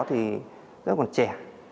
thì rất còn trẻ